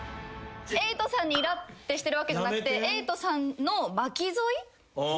瑛人さんにイラッてしてるわけじゃなくて瑛人さんの巻きぞい？